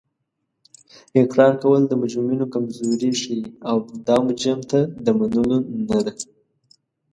اقرار کول د مجرمینو کمزوري ښیي او دا مجرم ته د منلو نه ده